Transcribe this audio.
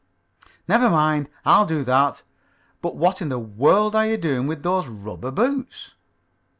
"Never mind. I'll do that. But what in the world are you doing with those rubber boots?"